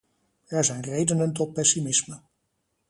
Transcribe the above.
Er zijn redenen tot pessimisme.